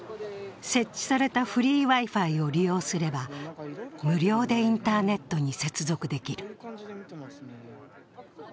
設置されたフリーＷｉ−Ｆｉを利用すれば、無料でインターネットに接続できる。